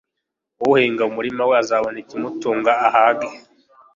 Uhinga umurima we azabona ikimutunga ahage